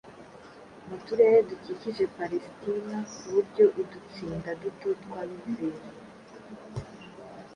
mu turere dukikije Palesitina ku buryo udutsinda duto tw’abizera